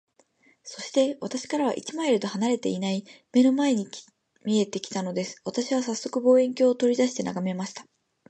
そして、私から一マイルとは離れていない眼の前に見えて来たのです。私はさっそく、望遠鏡を取り出して眺めました。